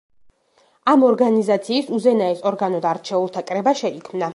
ამ ორგანიზაციის უზენაეს ორგანოდ არჩეულთა კრება შეიქმნა.